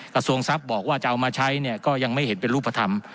กระทรวงทรัพย์บอกว่าจะเอามาใช้เนี่ยก็ยังไม่เห็นเป็นรูปธรรม